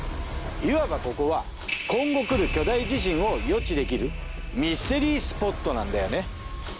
いわばここは今後来る巨大地震を予知できるミステリースポットなんだよね。